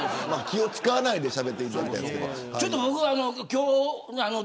気を使わないで、しゃべっていただきたいですけれど。